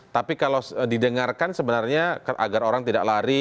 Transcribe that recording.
tapi kalau didengarkan sebenarnya agar orang tidak lari